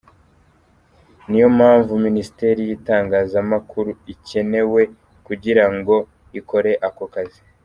Ni yo mpamvu Ministeri y’itangazamakuru ikenewe kugira ngo ikore ako kazi.